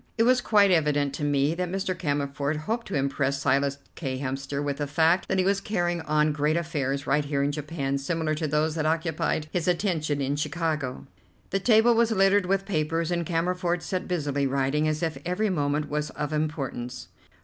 It was quite evident to me that Mr. Cammerford hoped to impress Silas K. Hemster with the fact that he was carrying on great affairs right here in Japan similar to those that occupied his attention in Chicago. The table was littered with papers, and Cammerford sat busily writing as if every moment was of importance.